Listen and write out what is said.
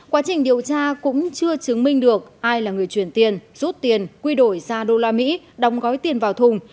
quá trình điều tra cũng chưa chứng minh được ai là người chuyển tiền rút tiền quy đổi ra usd đóng gói tiền vào thùng